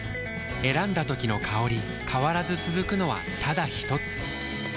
選んだ時の香り変わらず続くのはただひとつ？